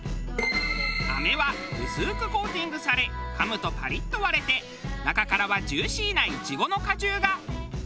飴は薄くコーティングされかむとパリッと割れて中からはジューシーないちごの果汁が。